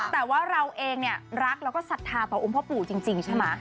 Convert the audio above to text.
แต่ว่าเราเองเนี่ยรักแล้วก็ศรัทธาต่อองค์พ่อปู่จริงใช่ไหม